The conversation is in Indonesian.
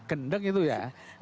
gendeng itu ya